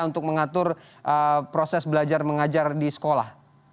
untuk mengatur proses belajar mengajar di sekolah